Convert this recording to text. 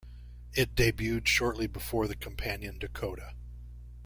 It debuted shortly before the companion Dakota.